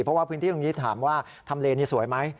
เพราะว่าพื้นที่ตรงนี้ถามว่าทำเลนี่สวยไหม